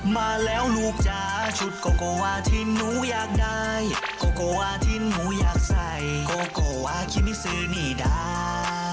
มาแล้วลูกจ๋าชุดก็ก็วาที่หนูอยากได้ชุดก็ก็วาที่หนูอยากใส่ก็ก็วาฮิมิสนิดา